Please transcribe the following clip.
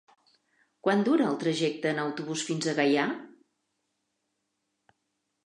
Quant dura el trajecte en autobús fins a Gaià?